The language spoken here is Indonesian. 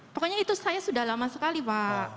pokoknya itu saya sudah lama sekali pak